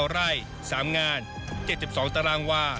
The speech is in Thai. ๒๙ไร่๓งาน๗๒ตรว